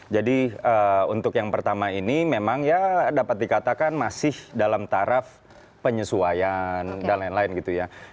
jadi untuk yang pertama ini memang ya dapat dikatakan masih dalam taraf penyesuaian dan lain lain gitu ya